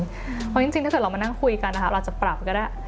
เพราะจริงถ้าเกิดเรามานั่งคุยกันนะคะเราจะปรับก็ได้